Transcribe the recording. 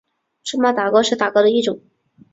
芝麻打糕是打糕的一种。